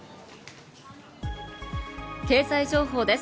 経済情報です。